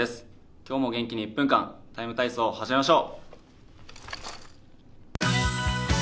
今日も元気に「ＴＩＭＥ，体操」を始めましょう。